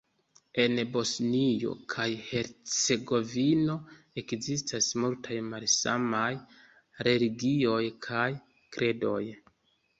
En Bosnio kaj Hercegovino ekzistas multaj malsamaj religioj kaj kredoj.